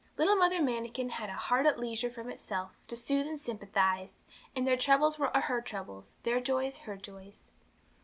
Little Mother Manikin had 'a heart at leisure from itself, to soothe and sympathise,' and their troubles were her troubles, their joys her joys.